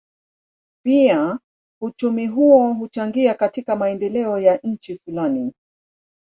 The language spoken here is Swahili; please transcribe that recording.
Pia uchumi huo huchangia katika maendeleo ya nchi fulani.